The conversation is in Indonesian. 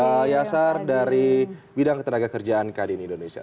dan juga terima kasih juga kepada tenaga kerjaan kdn indonesia